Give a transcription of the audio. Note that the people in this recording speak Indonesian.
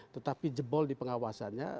tetapi jebol di pengawasannya